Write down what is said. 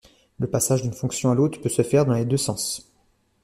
Le passage d'une fonction à l'autre peut se faire dans les deux sens.